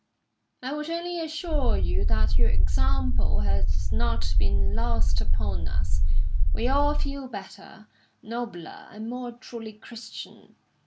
I would only assure you that your example has not been lost upon us; we all feel better, nobler, and more truly Christian.